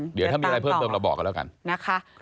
เดี๋ยวถ้ามีอะไรเพิ่มเติมเราบอกกันแล้วกันนะคะ